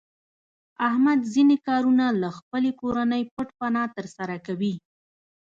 احمد ځنې کارونه له خپلې کورنۍ پټ پناه تر سره کوي.